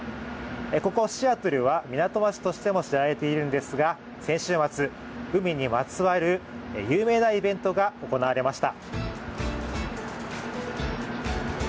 ここシアトルは港町としても知られているんですが、先週末、海にまつわる有名なイベントが行われました。